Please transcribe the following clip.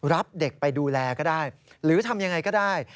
รับเด็กไปดูแลก็ได้หรือทำยังไงก็ได้